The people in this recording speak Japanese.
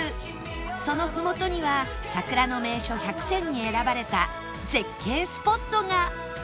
そのふもとには桜の名所１００選に選ばれた絶景スポットが